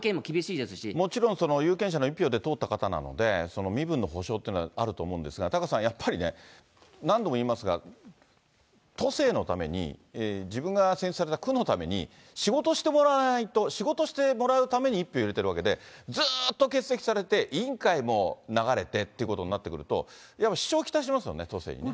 もちろんその有権者の一票で通った方なので、身分の保証というのはあると思うんですが、タカさんやっぱりね、何度も言いますが、都政のために、自分が選出された区のために、仕事してもらわないと、仕事してもらうために１票入れてるわけで、ずっと欠席されて、委員会も流れてということになってくると、支障を来しますよね、都政にね。